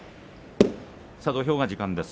土俵が時間です。